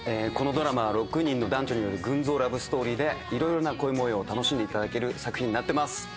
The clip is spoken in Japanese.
このドラマは６人の男女による群像ラブストーリーで色々な恋模様を楽しんでいただける作品になってます。